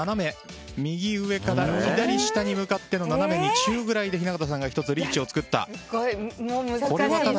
右上から左下に向かっての斜めに中ぐらいで雛形さんが１つリーチを作った。